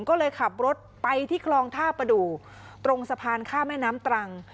ก็เลยขับรถไปที่คลองท่าประดูกตรงสะพานข้ามแม่น้ำตรัง